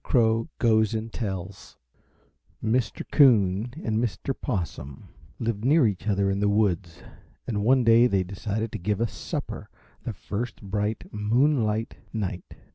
CROW GOES AND TELLS [Illustration: Mr. Crow] Mr. Coon and Mr. Possum lived near each other in the woods, and one day they decided to give a supper the first bright moonlight night.